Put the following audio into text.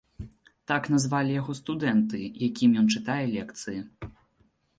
Так назвалі яго студэнты, якім ён чытае лекцыі.